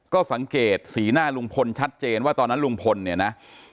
ก็สังเกตสีหน้าลุงพลชัดเจนว่าตอนนั้นลุงพลเนี่ยนะ